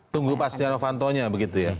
tunggu pak stiano vanto nya begitu ya